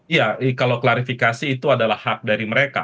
iya kalau klarifikasi itu adalah hak dari mereka